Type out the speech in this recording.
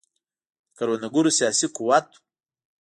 د کروندګرو سیاسي قوت و.